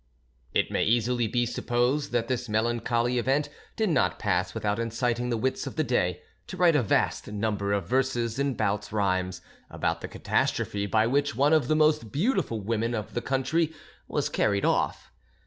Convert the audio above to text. It may easily be supposed that this melancholy event did not pass without inciting the wits of the day to write a vast number of verses and bouts rimes about the catastrophe by which one of the most beautiful women of the country was carried off.